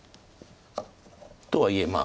とはいえま